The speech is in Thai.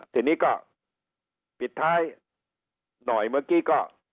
ทีนี้ก็ปิดท้ายหน่อยเมื่อกี้ก็